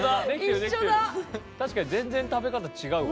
確かに全然食べ方違うわ。